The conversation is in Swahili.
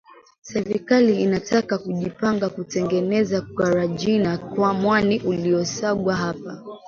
Serikali inataka kujipanga kutengeneza karajina mwani uliosagwa hapa